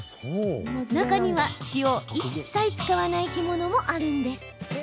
中には、塩を一切使わない干物もあるんです。